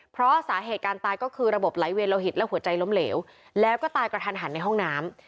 เพราะสาเหตุการตายก็คือระบบไหลเวียโลหิตและหัวใจล้มเหลวแล้วก็ตายกระทันหันในห้องน้ำ